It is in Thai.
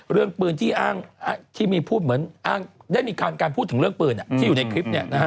เรื่องปืนที่ได้มีความการพูดถึงเรื่องปืนที่อยู่ในคลิป